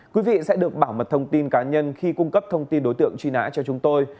quý vị sẽ được bảo mật thông tin cá nhân khi cung cấp thông tin đối tượng truy nã cho chúng tôi